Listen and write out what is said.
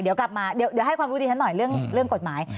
เดี๋ยวกลับมาเดี๋ยวให้ความรู้ที่ฉันหน่อยเรื่องกฎหมาย